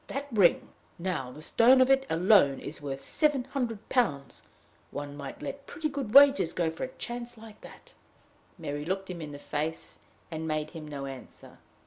That ring, now, the stone of it alone, is worth seven hundred pounds: one might let pretty good wages go for a chance like that!" Mary looked him in the face, and made him no answer.